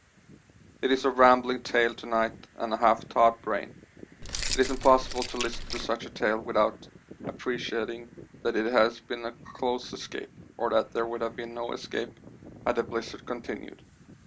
It is a rambling tale to night and a half thawed brain. It is impossible to listen to such a tale without appreciating that it has been a close escape or that there would have been no escape had the blizzard continued.